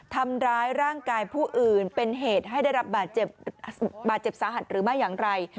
ทำร้ายร่างกายผู้อื่นเป็นเหตุให้ได้รับบาดเจ็บบาดเจ็บสาหัสหรือไม่อย่างไร